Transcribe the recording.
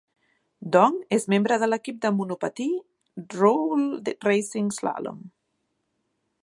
Dong és membre de l'equip de monopatí RoalRacing Slalom.